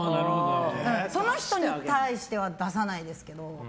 その人に対しては出さないですけど。